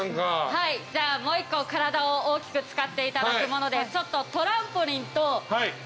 はいじゃあもう１個体を大きく使っていただくものでちょっと。